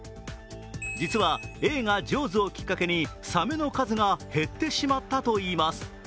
実は映画「ジョーズ」をきっかけにサメの数が減ってしまったといいます。